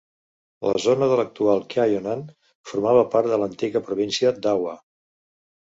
La zona de l'actual Kyonan formava part de l'antiga província d'Awa.